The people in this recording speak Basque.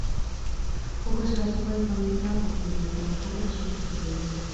Joko eskasekoa izan da partida eta nafarrek asko sufritu dute.